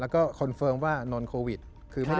ก็ตรวจซ้ำอีกที